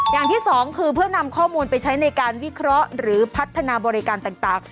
อย่างที่สองคือเพื่อนำข้อมูลไปใช้ในการวิเคราะห์หรือพัฒนาบริการต่าง